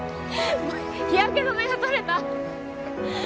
日焼け止めが取れた！